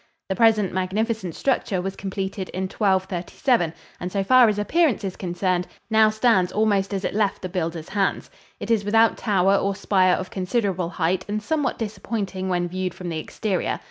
The present magnificent structure was completed in 1237, and so far as appearance is concerned, now stands almost as it left the builder's hands. It is without tower or spire of considerable height and somewhat disappointing when viewed from the exterior.